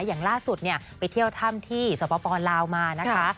อย่างล่าสุดเนี่ยไปเที่ยวถ้ำที่สปลาวมานะคะ